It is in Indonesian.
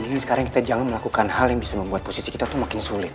mendingan sekarang kita jangan melakukan hal yang bisa membuat posisiku itu makin sulit